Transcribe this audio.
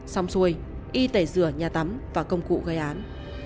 xong xuôi y tẩy rửa nhà tắm và công cụ gây án